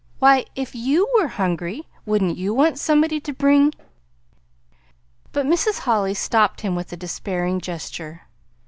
Why, if YOU were hungry, wouldn't you want somebody to bring " But Mrs. Holly stopped him with a despairing gesture.